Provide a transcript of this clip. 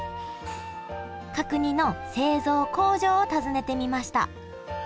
角煮の製造工場を訪ねてみました